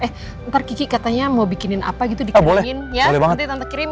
eh ntar kiki katanya mau bikinin apa gitu dikirimin